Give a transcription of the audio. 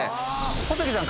小杉さん